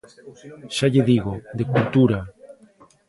Xa lle digo, de cultura.